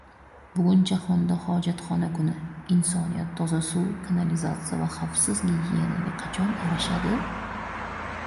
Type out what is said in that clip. Bugun jahonda hojatxona kuni: insoniyat toza suv, kanalizatsiya va xavfsiz gigiyenaga qachon erishadi?